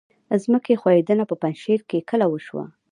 ځمکې ښویدنه په پنجشیر کې کله وشوه؟